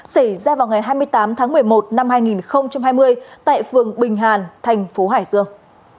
xảy ra vào ngày hai mươi tám tháng một mươi một năm hai nghìn hai mươi tại phường bình hàn thành phố hải dương